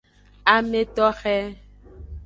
Ame toxe.